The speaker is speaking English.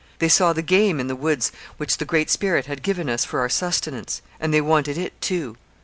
They saw the game in the woods which the Great Spirit had given us for our subsistence, and they wanted it too.